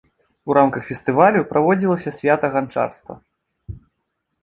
У рамках фестывалю праводзілася свята ганчарства.